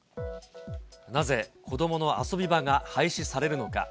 なぜ子どもの遊び場が廃止されるのか。